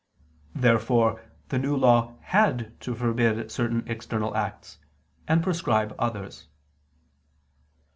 Therefore the New Law had to forbid certain external acts and prescribe others.